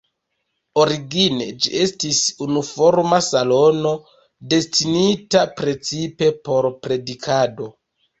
Origine ĝi estis unuforma salono, destinita precipe por predikado.